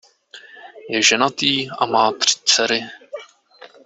Je ženatý a má tři dcery.